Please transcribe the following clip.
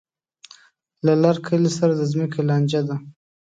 له لر کلي سره د ځمکې لانجه ده.